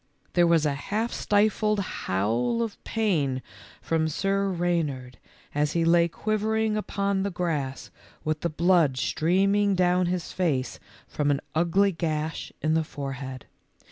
There was a half stifled howl of pain from Sir Reynard as he lay quivering upon the grass with the blood streaming down his face from an ugly gash in the forehead.